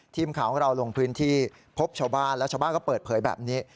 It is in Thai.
ทีมข่าวของเราลงพื้นที่พบชาวบ้านแล้วชาวบ้านก็เปิดเผยแบบนี้